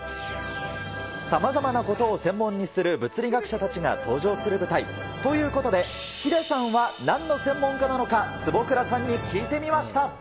さまざまなことを専門にする物理学者たちが登場する舞台。ということで、ヒデさんはなんの専門家なのか、坪倉さんに聞いてみました。